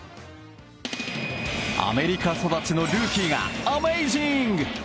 アメリカ育ちのルーキーがアメイジング！